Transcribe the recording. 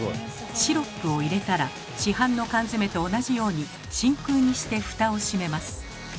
シロップを入れたら市販の缶詰と同じように真空にして蓋を閉めます。